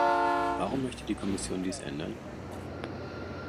Warum möchte die Kommission dies ändern?